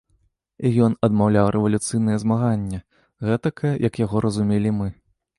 І ён адмаўляў рэвалюцыйнае змаганне, гэтакае, як яго разумелі мы.